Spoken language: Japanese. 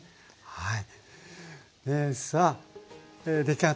はい。